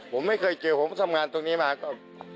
ผมไม่เคยเจอผมทำงานตรงนี้มาก็